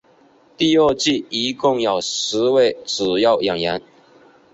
第二季一共有十位主要演员。